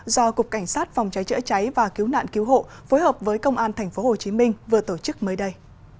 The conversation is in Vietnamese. do cục cảnh sát phòng cháy chữa cháy và cứu nạn cứu hộ phối hợp với công an tp hcm vừa tổ chức mới đây